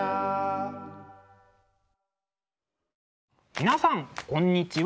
皆さんこんにちは。